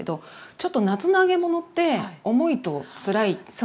ちょっと夏の揚げ物って重いとつらい時ありません？